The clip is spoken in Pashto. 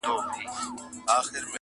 مکمل یې خپل تحصیل په ښه اخلاص کئ،